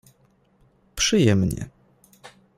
Przyjemnie.